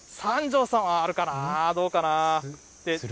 三條さんはあるかな、どうかな。